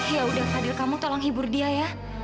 ya udah hadir kamu tolong hibur dia ya